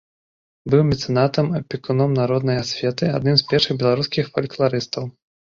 Быў мецэнатам, апекуном народнай асветы, адным з першых беларускіх фалькларыстаў.